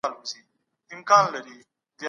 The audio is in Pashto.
اقتصادي پرمختيا د بې وزلۍ د ختمولو نسخه ده.